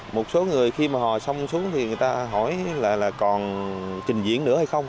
một số người khi mà hòa xong xuống thì người ta hỏi là còn trình diễn